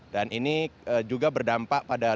dan ini juga berdampak pada lingkungan